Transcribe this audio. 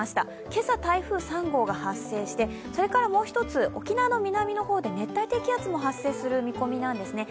今朝台風３号が発生してもう一つ、沖縄の南の方で熱帯低気圧も発生する見込みなんですね。